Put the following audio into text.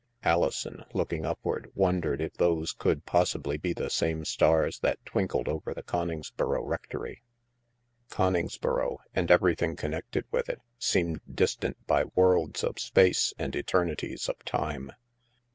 Alison, looking upward, wondered if those could possibly be the same stars that twinkled over the Coningsboro rectory. Coningsboro, and every thing connected with it, seemed distant by worlds of space and eternities of time.